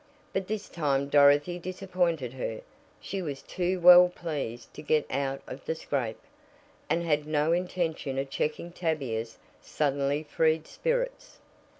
But this time Dorothy disappointed her she was too well pleased to get out of "the scrape," and had no intention of checking Tavia's suddenly freed spirits.